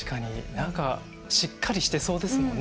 何かしっかりしてそうですもんね。